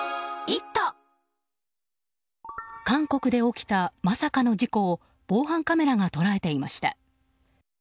韓国で起きたまさかの事故を防犯カメラが捉えていました。